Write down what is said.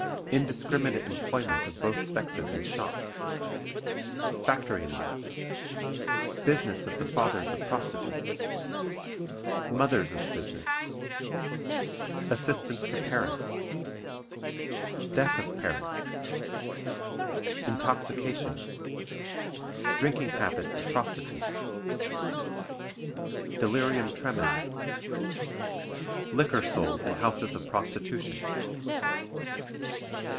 Indiscriminate Employment of both Sexes in Shops. Factory Life. Business of the Fathers of Prostitutes. Mothers' Business. Assistance to Parents. Death of Parents. Intoxication. Drinking Habits of Prostitutes. Delirium Tremens. Liquor Sold in Houses of Prostitution.